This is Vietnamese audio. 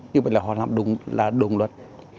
như vậy là họ làm đúng là đúng luật